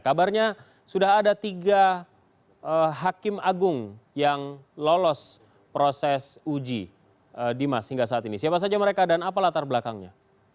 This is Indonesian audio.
kabarnya sudah ada tiga hakim agung yang lolos proses uji dimas hingga saat ini siapa saja mereka dan apa latar belakangnya